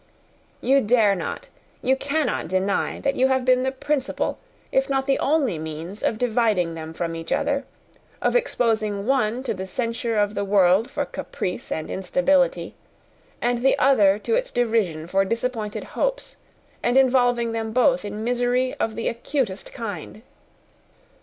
You dare not, you cannot deny that you have been the principal, if not the only means of dividing them from each other, of exposing one to the censure of the world for caprice and instability, the other to its derision for disappointed hopes, and involving them both in misery of the acutest kind."